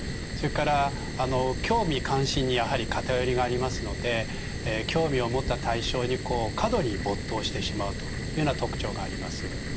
それから興味関心にやはり偏りがありますので興味を持った対象に過度に没頭してしまうというような特徴があります。